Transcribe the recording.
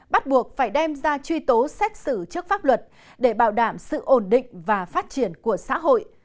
bắt buộc phải đem ra truy tố xét xử trước pháp luật để bảo đảm sự ổn định và phát triển của xã hội